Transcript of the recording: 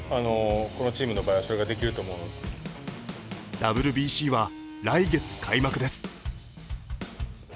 ＷＢＣは来月開幕です。